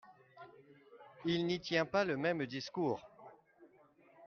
Il n’y tient pas le même discours.